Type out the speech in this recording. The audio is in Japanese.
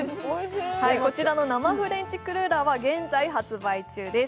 こちらの生フレンチクルーラーは現在発売中です。